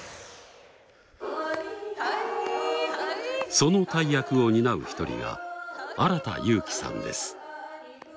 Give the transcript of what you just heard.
その大役を担う一人が荒田裕樹さんです。